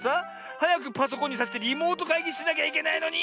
はやくパソコンにさしてリモートかいぎしなきゃいけないのに！